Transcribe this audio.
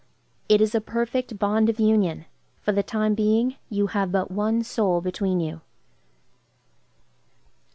It is a perfect bond of union; for the time being, you have but one soul between you.